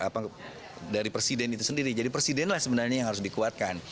jadi presiden itu sendiri jadi presidenlah sebenarnya yang harus dikuatkan